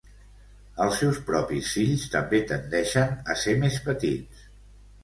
Els seus propis fills també tendeixen a ser més petits.